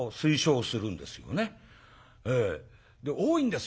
で多いんです